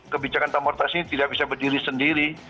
kebijakan transportasi tidak bisa berdiri sendiri